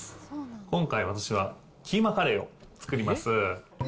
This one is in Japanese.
今回私は、キーマカレーを作ります。